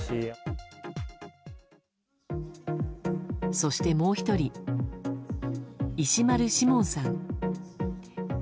そして、もう１人石丸志門さん。